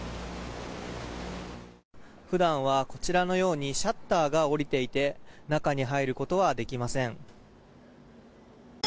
普段はこちらのようにシャッターが下りていて中に入ることはできません。